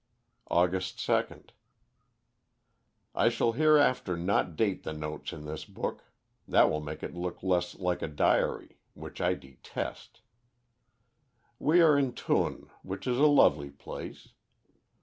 "Aug. 2nd. I shall hereafter not date the notes in this book; that will make it look less like a diary, which I detest. We are in Thun, which is a lovely place.